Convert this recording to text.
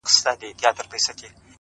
• پر لمن د ګل غونډۍ یم رغړېدلی ,